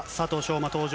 馬登場。